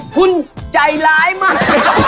คุณใจร้ายมาก